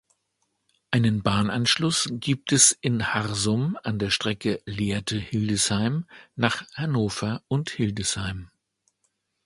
Einen Bahnanschluss gibt es in Harsum an der Strecke Lehrte–Hildesheim nach Hannover und Hildesheim.